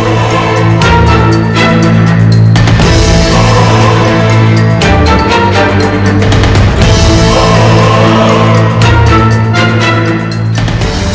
saya akan mencari penghentian rai